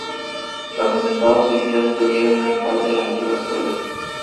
Los atentados suicidas destruyeron en gran parte la antigua escuela.